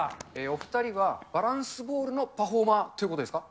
お２人は、バランスボールのパフォーマーということですか？